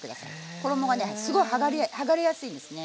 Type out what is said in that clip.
衣がねすごい剥がれやすいですね。